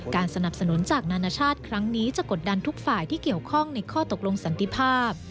สนับสนุนจากนานาชาติครั้งนี้จะกดดันทุกฝ่ายที่เกี่ยวข้องในข้อตกลงสันติภาพ